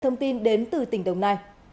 thông tin đến từ tỉnh đồng nai